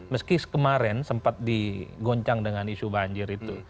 meski kemarin sempat digoncang dengan isu banjir itu